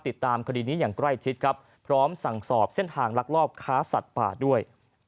ติดตามคดีนี้อย่างใกล้ชิดครับพร้อมสั่งสอบเส้นทางลักลอบค้าสัตว์ป่าด้วย